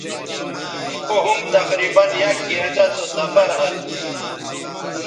او ھُم تقریباً یک گھنٹہ سو سفراسو